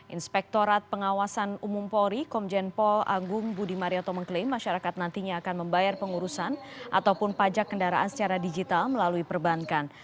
inspektorat pengawasan umum polri komjen paul agung budi marioto mengklaim masyarakat nantinya akan membayar pengurusan ataupun pajak kendaraan secara digital melalui perbankan